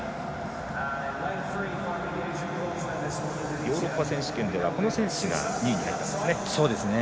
ヨーロッパ選手権ではこの選手が２位になったんですね。